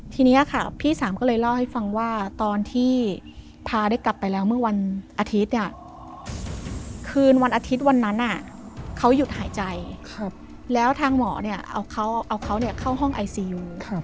ทีนี้ค่ะพี่สามก็เลยเล่าให้ฟังว่าตอนที่พาได้กลับไปแล้วเมื่อวันอาทิตย์คืนวันอาทิตย์วันนั้นเขาหยุดหายใจแล้วทางหมอเนี่ยเอาเขาเข้าห้องไอซียู